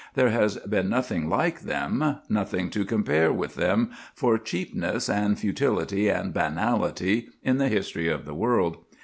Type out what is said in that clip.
There has been nothing like them, nothing to compare with them, for cheapness and futility and banality in the history of the world.